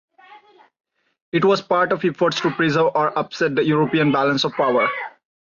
It was part of efforts to preserve or upset the European balance of power.